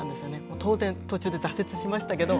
当然、途中で挫折しましたけれども。